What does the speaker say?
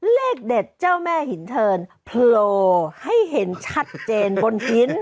เลขเด็ดเจ้าแม่หินเทินโผล่ให้เห็นชัดเจนบนพื้น